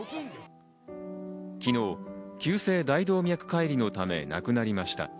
昨日、急性大動脈解離のため亡くなりました。